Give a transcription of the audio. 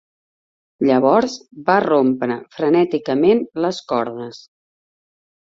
"Llavors va rompre frenèticament les cordes."